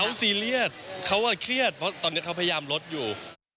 เขาซีเรียสเขาเครียดเพราะตอนนี้เขาพยายามลดอยู่